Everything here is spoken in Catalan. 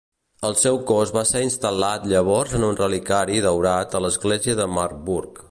El seu cos va ser instal·lat llavors en un reliquiari daurat a l'església de Marburg.